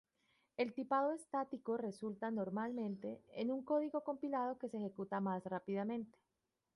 El tipado estático resulta, normalmente, en un código compilado que se ejecuta más rápidamente.